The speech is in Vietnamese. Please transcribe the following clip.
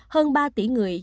hơn ba tỷ người